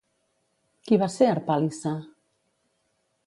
Qui va ser Harpàlice?